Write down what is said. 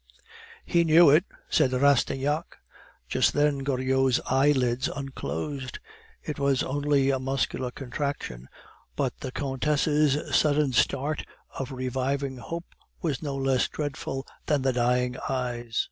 "He knew it," said Rastignac. Just then Goriot's eyelids unclosed; it was only a muscular contraction, but the Countess' sudden start of reviving hope was no less dreadful than the dying eyes.